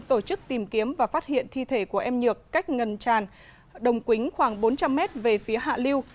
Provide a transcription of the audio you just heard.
tổ chức tìm kiếm và phát hiện thi thể của em nhược cách ngầm tràn đồng quính khoảng bốn trăm linh m về phía hạ liêu